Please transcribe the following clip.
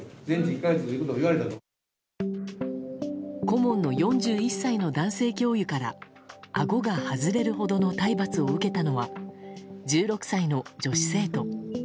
顧問の４１歳の男性教諭からあごが外れるほどの体罰を受けたのは１６歳の女子生徒。